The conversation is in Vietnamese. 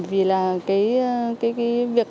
vì là cái việc